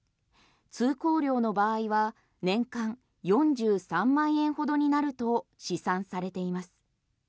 通行料の場合は年間４３万円ほどになると試算されています。